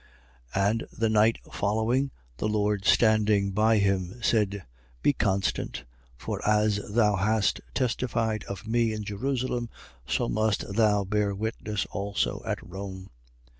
23:11. And the night following, the Lord standing by him, said: Be constant: for as thou hast testified of me in Jerusalem, so must thou bear witness also at Rome.